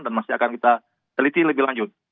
dan masih akan kita teliti lebih lanjut